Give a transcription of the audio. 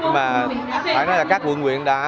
mà phải nói là các quận quyện đã